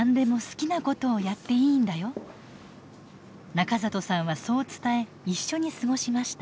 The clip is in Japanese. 中里さんはそう伝え一緒に過ごしました。